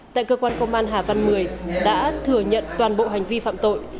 tại cơ quan công an hà văn một mươi đã thừa nhận toàn bộ hành vi phạm tội